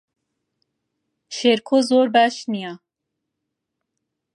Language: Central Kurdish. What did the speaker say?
شێرکۆ زۆر باش نییە.